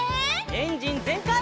エンジンぜんかい！